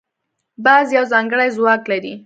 باز یو ځانګړی ځواک لري